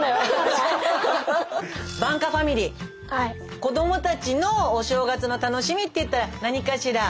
子どもたちのお正月の楽しみって言ったら何かしら？